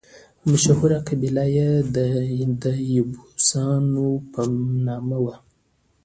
مشهوره قبیله یې د یبوسان په نامه وه.